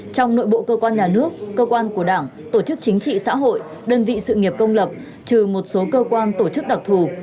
trong nội bộ cơ quan nhà nước cơ quan của đảng tổ chức chính trị xã hội đơn vị sự nghiệp công lập trừ một số cơ quan tổ chức đặc thù